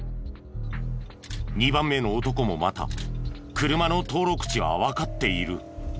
２番目の男もまた車の登録地はわかっている。